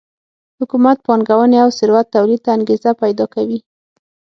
حکومت پانګونې او ثروت تولید ته انګېزه پیدا کوي.